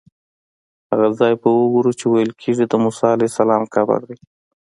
هغه ځای به وګورو چې ویل کېږي د موسی علیه السلام قبر دی.